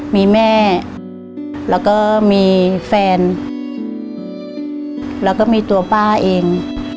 มีแม่แล้วก็มีแฟนแล้วก็มีตัวป้าเอง